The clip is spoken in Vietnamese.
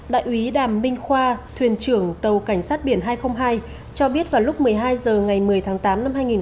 đại úy đàm minh khoa thuyền trưởng tàu cảnh sát biển hai trăm linh hai cho biết vào lúc một mươi hai h ngày một mươi tháng tám năm hai nghìn hai mươi